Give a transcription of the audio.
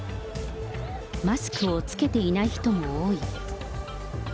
マスクをつけていない人も多い。